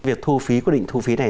việc thu phí quyết định thu phí này